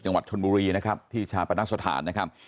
จังหวัดชนบุรีนะครับที่ชาปนสถานนะครับ